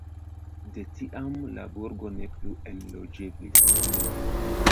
De tiam la burgo ne plu enloĝeblis.